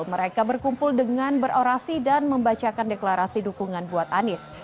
mereka berkumpul dengan berorasi dan membacakan deklarasi dukungan buat anies